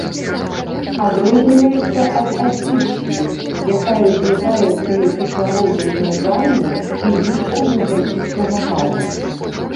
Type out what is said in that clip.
Адрозніваецца ад асфіксіі, якая ўзнікае пры кіслародным галаданні і лішку вуглякіслага газу.